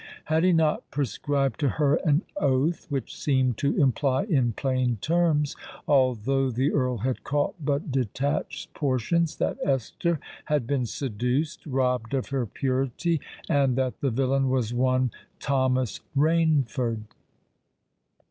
Had he not prescribed to her an oath which seemed to imply, in plain terms,—although the Earl had caught but detached portions,—that Esther had been seduced—robbed of her purity,—and that the villain was one Thomas Rainford?